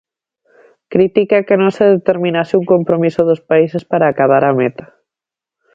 Critica que non se determinase un compromiso dos países para acadar a meta.